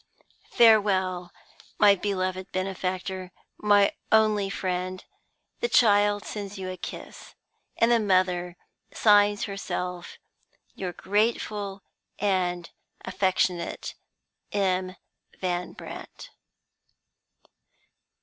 "Farewell, my beloved benefactor, my only friend! The child sends you a kiss; and the mother signs herself your grateful and affectionate "M. VAN BRANDT."